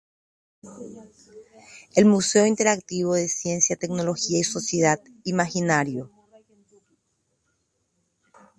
El Museo Interactivo de Ciencia, Tecnología y Sociedad, "Imaginario".